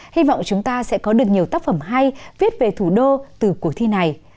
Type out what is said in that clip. hy vọng chúng ta sẽ có được nhiều tác phẩm hay viết về thủ đô từ cuộc thi này